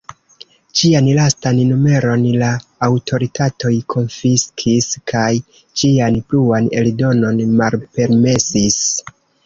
Ĝian lastan numeron la aŭtoritatoj konfiskis kaj ĝian pluan eldonon malpermesis.